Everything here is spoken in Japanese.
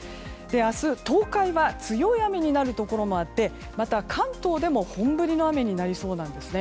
明日、東海は強い雨になるところもあってまた関東でも本降りの雨になりそうなんですね。